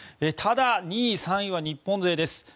ただ、２位、３位は日本勢です。